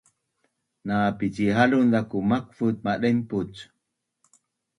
Na picihalun ku makvut madaimpuc